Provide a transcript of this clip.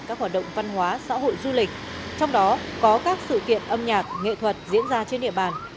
các hoạt động văn hóa xã hội du lịch trong đó có các sự kiện âm nhạc nghệ thuật diễn ra trên địa bàn